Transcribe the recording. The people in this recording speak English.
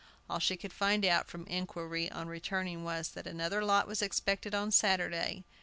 All she could find out, from inquiry, on returning, was, "that another lot was expected on Saturday."